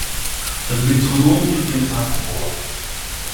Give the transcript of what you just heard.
Das Metronom gibt den Takt vor.